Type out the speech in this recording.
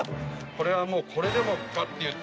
これはもうこれでもかっていう。